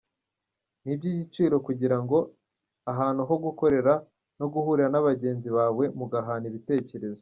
Ni iby’igiciro kugira ahantu ho gukorera no guhurira na bagenzi bawe mugahana ibitekerezo.